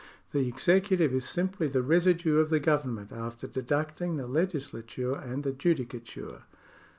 The executive is simply the residue of the government, after deducting the legi^^lature and the judicature.